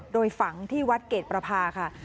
โดยฝังที่วัดเกรดประพาค่ะ